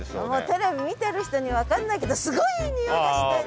テレビ見てる人には分かんないけどすごいいい匂いがしてんの。